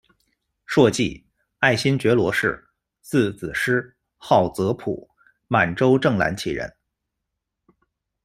硕济，爱新觉罗氏，字子施，号泽浦，满洲正蓝旗人。